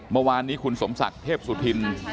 เมื่อวานนี้คุณสมศักดิ์เทพสุธิน